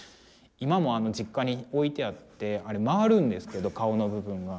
今も実家に置いてあってあれ回るんですけど顔の部分が。